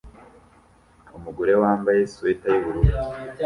Umugore wambaye swater yubururu